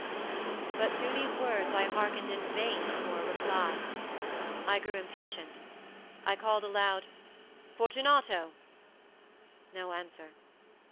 But to these words I hearkened in vain for a reply. I grew impatient. I called aloud— "Fortunato!" No answer.